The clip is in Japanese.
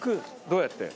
どうやって？